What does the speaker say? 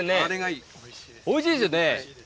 おいしいっすよねぇ？